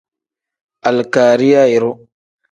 Alikariya iru.